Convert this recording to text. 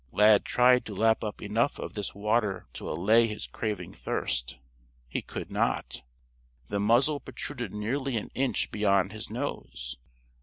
Lad tried to lap up enough of this water to allay his craving thirst. He could not. The muzzle protruded nearly an inch beyond his nose.